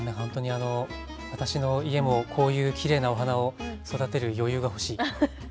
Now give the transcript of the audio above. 私の家もこういうきれいなお花を育てる余裕が欲しい。